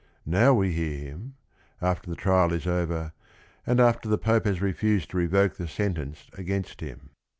Now w e hear hi m, after the trial is over, and after t he Pope has refused to revoke the sentence against him.